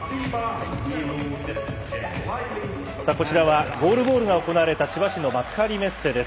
こちらはゴールボールが行われた千葉市の幕張メッセです。